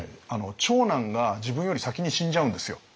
長男が自分より先に死んじゃうんですよ。